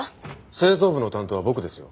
製造部の担当は僕ですよ。